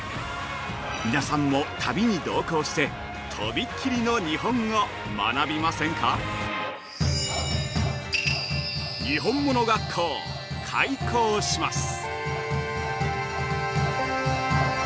皆さんも旅に同行して飛びっ切りの日本を学びませんか。にほんもの学校、開校します！